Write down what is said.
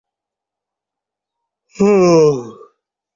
আমার বয়সে আমি তিনবার এ সম্পত্তি রিসীভরের হাতে যেতে দেখেছি।